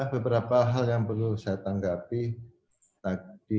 beberapa hal yang perlu saya tanggapi tadi